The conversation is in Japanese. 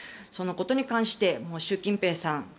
そのことに関して習近平さん